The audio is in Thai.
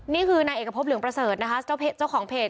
นี่คือในเอกภพเหลืองประเสริฐเจ้าของเผต